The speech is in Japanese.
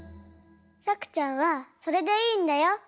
さくちゃんはそれでいいんだよ。